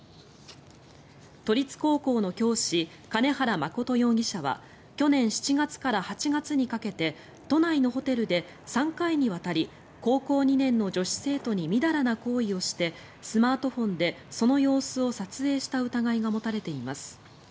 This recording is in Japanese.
都立高校の教師兼原眞容疑者は去年７月から８月にかけて都内のホテルで３回にわたり高校２年の女子生徒にみだらな行為をしてスマートフォンでその様子を撮影した疑いが持たれています。